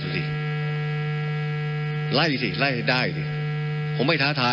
ว่ามันบ้าชะมัด